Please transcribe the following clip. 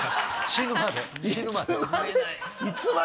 死ぬまで。